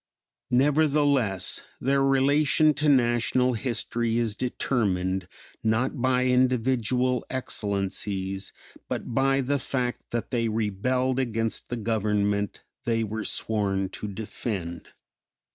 Nevertheless their relation to national history is determined, not by individual excellencies, but by the fact that they rebelled against the Government they were sworn to defend.